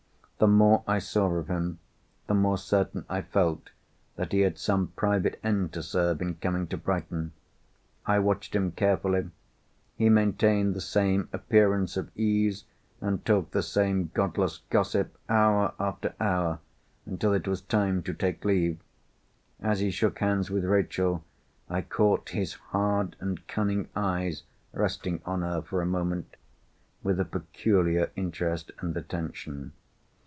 The more I saw of him, the more certain I felt that he had some private end to serve in coming to Brighton. I watched him carefully. He maintained the same appearance of ease, and talked the same godless gossip, hour after hour, until it was time to take leave. As he shook hands with Rachel, I caught his hard and cunning eyes resting on her for a moment with a peculiar interest and attention.